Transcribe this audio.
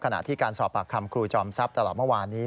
ขณะที่การสอบปากคำครูจอมทรัพย์ตลอดเมื่อวานนี้